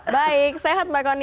baik sehat mbak kony